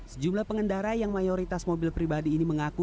sejumlah pengendara yang mayoritas mobil pribadi ini mengaku